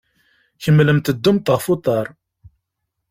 Kemmlemt ddumt ɣef uḍaṛ.